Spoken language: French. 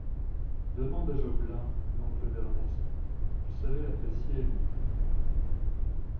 Demande à Jobelin, l’oncle d’Ernest… il savait l’apprécier, lui !